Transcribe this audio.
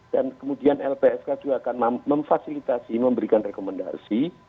dan kemudian lpsk juga akan memfasilitasi memberikan rekomendasi